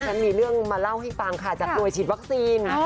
มีเรื่องมาเล่าให้ฟังค่ะจากหน่วยฉีดวัคซีน